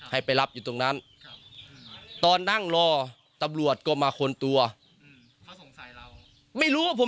ให้ไปรับอยู่ตรงนั้นตอนนั่งรอตำรวจก็มาค้นตัวเขาสงสัยเราไม่รู้ว่าผม